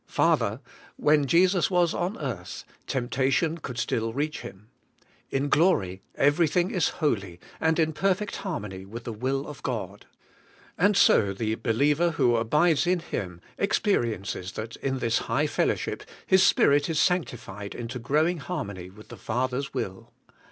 Farther, when Jesus was on earth, temptation could still reach Him: in glory, everything is holy, and in perfect harmony with the will of God. And so the believer who abides in Him experiences that in this high fellowship his spirit is sanctified into growing harmony with the Father's will.